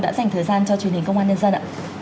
đã dành thời gian cho truyền hình công an nhân dân ạ